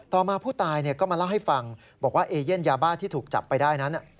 ต่อมาผู้ตายก็มาเล่าให้ฟังบอกว่าเอเย่นยาบ้าที่ถูกจับไปได้นั้น